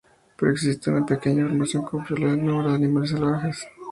Pero existe una pequeña información confiable en el número de animales salvajes.